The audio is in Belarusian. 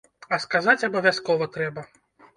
А сказаць абавязкова трэба.